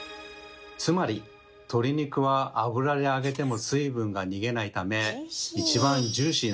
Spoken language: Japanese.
つまり鶏肉は油で揚げても水分が逃げないため一番ジューシーなんです。